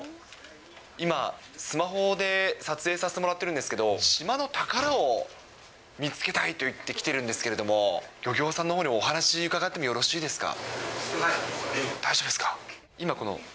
今、スマホで撮影させてもらってるんですけど、島の宝を見つけたいといって来てるんですけれども、漁協さんのほうにお話伺ってもよろしいですか。